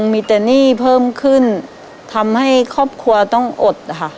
มีแต่หนี้เพิ่มขึ้นทำให้ครอบครัวต้องอดนะคะ